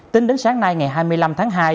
tính đến sáng nay ngày hai mươi năm tháng hai